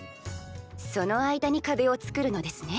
その間に壁を作るのですね。